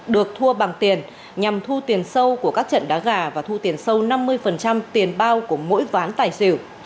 được thua bằng tiền nhằm thu tiền sâu của các trận đá gà và thu tiền sâu năm mươi tiền bao của mỗi ván tài xỉu